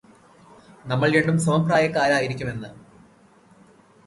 നമ്മള് രണ്ടും സമപ്രായക്കാരായിരിക്കുമെന്ന്